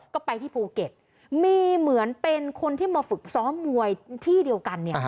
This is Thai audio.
ก็ไปที่ภูเก็ตมีเหมือนเป็นคนที่มาฝึกซ้อมมวยที่เดียวกันเนี่ย